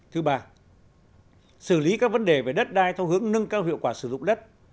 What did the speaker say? thứ ba xử lý các vấn đề về đất đai theo hướng nâng cao hiệu quả sử dụng đất